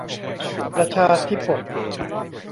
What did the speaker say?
ประชาธิปก